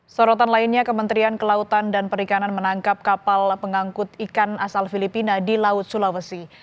sorotan lainnya kementerian kelautan dan perikanan menangkap kapal pengangkut ikan asal filipina di laut sulawesi